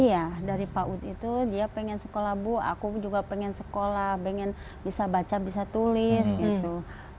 iya dari paud itu dia pengen sekolah bu aku juga pengen sekolah pengen bisa baca bisa tulis gitu